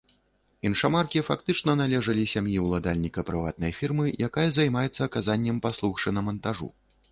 Іншамаркі фактычна належалі сям'і ўладальніка прыватнай фірмы, якая займаецца аказаннем паслуг шынамантажу.